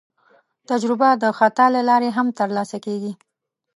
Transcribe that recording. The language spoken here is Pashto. تجربه د خطا له لارې هم ترلاسه کېږي.